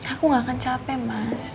aku gak akan capek mas